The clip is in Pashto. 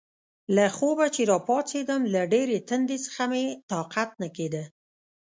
له خوبه چې راپاڅېدم، له ډېرې تندې څخه مې طاقت نه کېده.